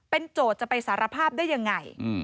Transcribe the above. เป็นโจทย์จะไปสารภาพได้อย่างไร